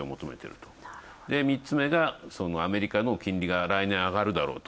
３つ目がアメリカの金利が来年上がるだろうと。